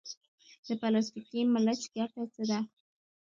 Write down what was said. د پلاستیکي ملچ ګټه څه ده؟